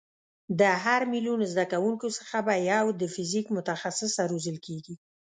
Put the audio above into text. له هر میلیون زده کوونکیو څخه به یو د فیزیک متخصصه روزل کېږي.